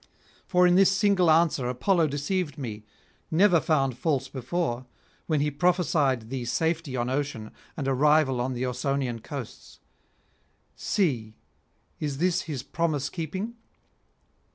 For in this single answer Apollo deceived me, never found false before, when he prophesied thee safety on ocean and arrival on the Ausonian coasts. See, is this his promise keeping?'